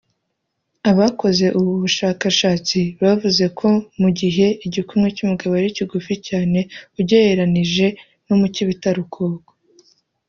Abakoze ubu bushakashatsi bavuze ko mu gihe igikumwe cy’umugabo ari kigufi cyane ugereranije na mukibitarukoko